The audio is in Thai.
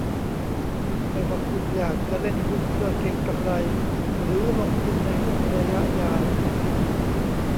ไม่ว่าคุณอยากจะเล่นหุ้นเพื่อเก็งกำไร หรือลงทุนในหุ้นระยะยาว